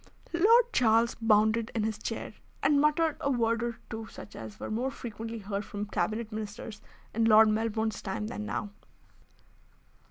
Lord Charles bounded in his chair, and muttered a word or two such as were more frequently heard from Cabinet Ministers in Lord Melbourne's time than now.